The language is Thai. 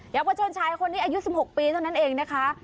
อยากว่าชนชายคนนี้อายุสิบหกปีเท่านั้นเองนะคะ